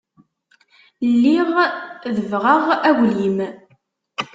Lliɣ debbɣeɣ aglim.